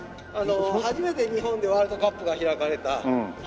あの初めて日本でワールドカップが開かれた。